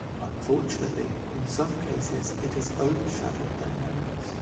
Unfortunately, in some cases it has overshadowed their merits.